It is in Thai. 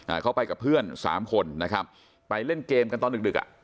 อ่าเขาไปกับเพื่อนสามคนนะครับไปเล่นเกมกันตอนดึกดึกอ่ะ